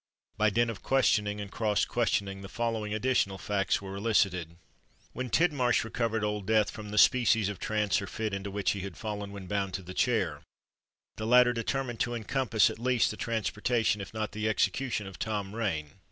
By dint of questioning and cross questioning, the following additional facts were elicited;— When Tidmarsh recovered Old Death from the species of trance or fit into which he had fallen when bound to the chair, the latter determined to encompass at least the transportation, if not the execution, of Tom Rain.